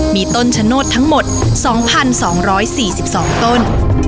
มีต้นชะโนธทั้งหมด๒๒๔๒ต้น